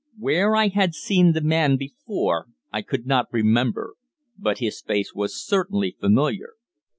Where I had seen the man before I could not remember. But his face was certainly familiar.